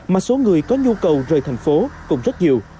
mà số người có nhu cầu rời thành phố cũng rất nhiều